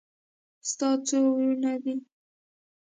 ستا څو ورونه دي